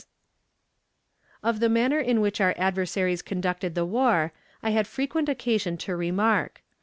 85 Of the manner in which our adversaries conducted the war I had frequent occasion to remark.